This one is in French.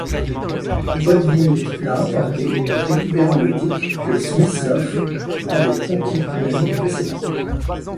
Botvinnik l'a emporté, récupérant le titre que Smyslov avait conquis l'année précédente.